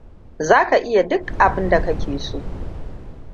Za ka iya duk abin da ka ke so.